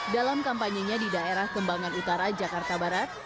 dalam kampanye nya di daerah kembangan utara jakarta barat